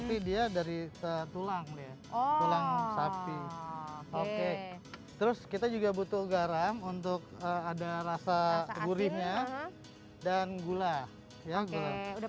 kita tulang ya oh oke terus kita juga butuh garam untuk ada rasa gurihnya dan gula udah